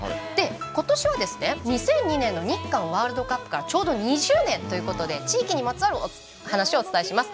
今年はですね、２００２年の日韓ワールドカップからちょうど２０年ということで地域にまつわる話をお伝えします。